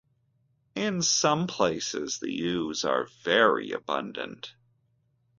In some places the yews are very abundant.